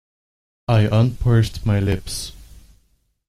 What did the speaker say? I unpursed my lips.